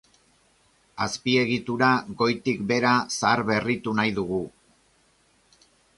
Azpiegitura goitik behera zaharberritu nahi dugu.